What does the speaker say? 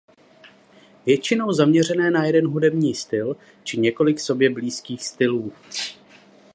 Většinou zaměřené na jeden hudební styl či několik sobě blízkých stylů.